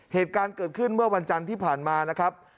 เหตุการณ์เกิดขึ้นเมื่อวันจันทร์ที่ผ่านมานะครับ